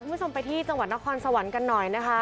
คุณผู้ชมไปที่จังหวัดนครสวรรค์กันหน่อยนะคะ